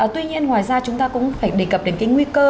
tuy nhiên ngoài ra chúng ta cũng phải đề cập đến cái nguy cơ